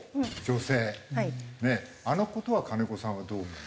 あの事は金子さんはどう思うの？